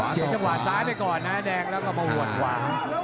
เสียจังหวะซ้ายไปก่อนนะแดงแล้วก็มาหวดขวา